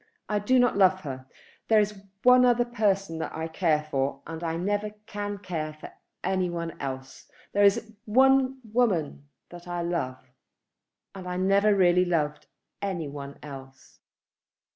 I do not love her. There is one other person that I care for, and I never can care for any one else. There is one woman that I love, and I never really loved any one else."